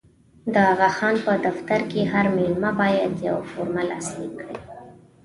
د اغا خان په دفتر کې هر مېلمه باید یوه فورمه لاسلیک کړي.